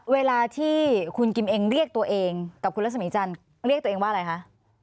เวลาที่คุณกิมเองเรียกตัวเองกับคุณรัศมีจันทร์เรียกตัวเองว่าอะไรคะ